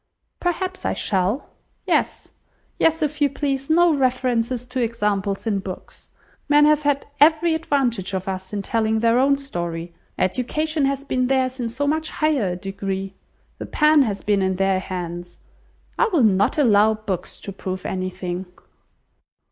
"Perhaps I shall. Yes, yes, if you please, no reference to examples in books. Men have had every advantage of us in telling their own story. Education has been theirs in so much higher a degree; the pen has been in their hands. I will not allow books to prove anything."